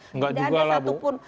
tidak ada satupun